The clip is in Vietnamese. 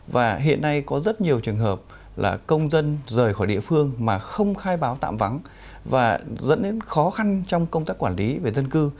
và hiện nay có rất nhiều trường hợp là công dân rời khỏi địa phương mà không khai báo tạm vắng và dẫn đến khó khăn trong công tác quản lý về dân cư